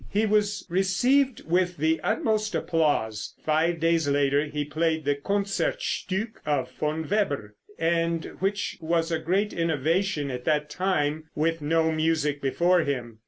He was received with the utmost applause. Five days later he played the Concertstück of Von Weber, and, which was a great innovation at that time, with no music before him.